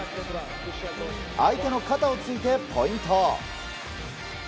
相手の肩を突いてポイント。